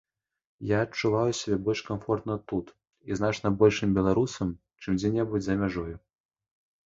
Я адчуваю сябе больш камфортна тут, і значна большым беларусам, чым дзе-небудзь за мяжою.